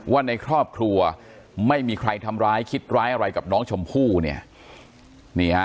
ว่าในครอบครัวไม่มีใครทำร้ายคิดร้ายอะไรกับน้องชมพู่เนี่ย